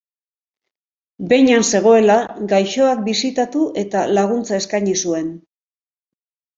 Behin han zegoela, gaixoak bisitatu eta laguntza eskaini zuen.